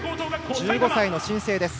１５歳の新星です。